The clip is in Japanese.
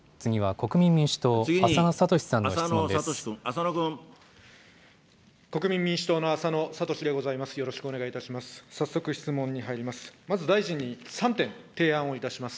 国民民主党の浅野哲でございます。